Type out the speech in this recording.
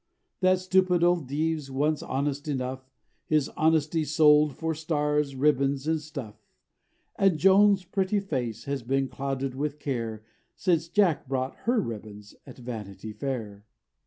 That stupid old Dives, once honest enough, His honesty sold for Stars, Ribbons, and Stuff; And Joan's pretty face has been clouded with care Since Jack bought her ribbons at Vanity Fair.